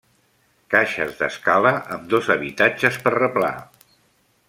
Caixes d'escala amb dos habitatges per replà.